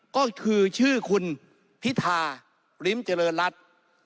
ก็คือชื่อคุณพิธาริมเจริญรัฐ